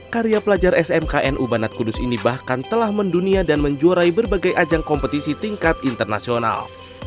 karya pelajar smknu banat kudus ini bahkan telah mendunia dan menjuarai berbagai ajang kompetisi tingkat internasional